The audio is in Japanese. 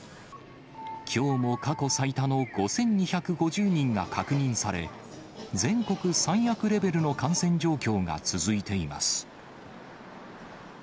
きょうも過去最多の５２５０人が確認され、全国最悪レベルの感染状況が続いています。